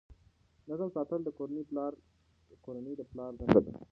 نظم ساتل د کورنۍ د پلار دنده ده.